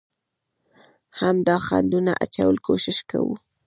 هم د خنډانو اچولو کوشش کوو،